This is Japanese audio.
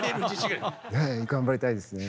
頑張りたいですね。